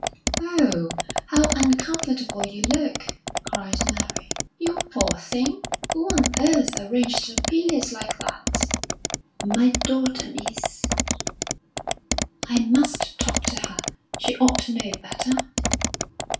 "Oh, how uncomfortable you look!" cried Mary. "You poor thing! Who on earth arranged your pillows like that?" "My daughter, miss." "I must talk to her; she ought to know better."